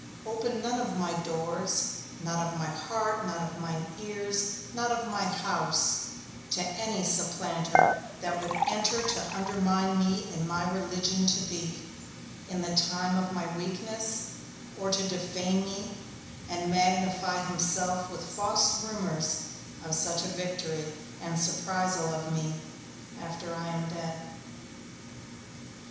Open none of my doors, not of my heart, not of mine ears, not of my house, to any supplanter that would enter to undermine me in my religion to thee, in the time of my weakness, or to defame me, and magnify himself with false rumours of such a victory and surprisal of me, after I am dead.